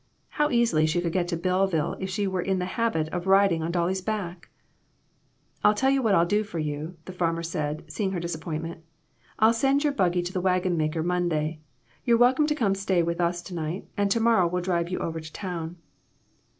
How easily she could get to Belleville if she was in the habit of riding on Dolly's back ! "I'll tell you what I'll do for you," the farmer said, seeing her disappointment; "I'll send your buggy to the wagon maker Monday. You're wel come to stay with us to night, and to morrow we'll drive over to town."